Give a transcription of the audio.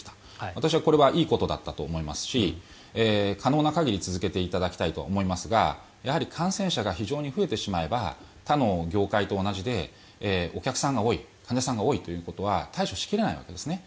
私はこれはいいことだったと思いますし可能な限り続けていただきたいと思いますがやはり感染者が非常に増えてしまえば他の業界と同じでお客さんが多い患者さんが多いということは対処しきれないわけですね。